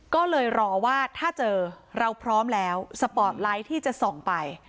ก็เลยรอว่าถ้าเจอเราพร้อมแล้วสปอร์ตไลท์ที่จะส่องไป